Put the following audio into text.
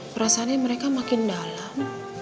perasaannya mereka makin dalam